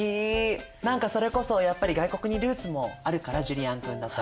何かそれこそやっぱり外国にルーツもあるからジュリアン君だったら。